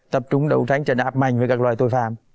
tập trung đấu tranh trận áp mạnh với các loại tội phạm